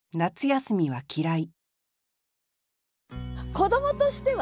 子どもとしてはね